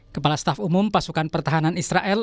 kepala staf umum pasukan pertahanan israel